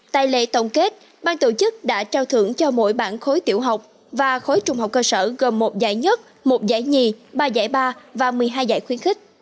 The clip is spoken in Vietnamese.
tại lệ tổng kết bang tổ chức đã trao thưởng cho mỗi bản khối tiểu học và khối trung học cơ sở gồm một giải nhất một giải nhì ba giải ba và một mươi hai giải khuyến khích